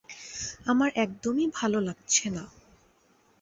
আমার একদমই ভালো লাগছে না।